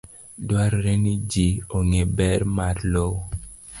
Dwarore ni ji ong'e ber mar lowo.